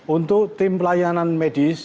untuk tim pelayanan medis